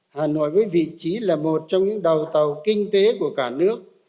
hà nội với vị trí là một trong những đầu tàu kinh tế của cả nước